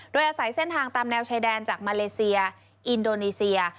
โดยอาศัยเส้นทางตามแนวชายแดนจากมาเลเซียอินโดนีเซีย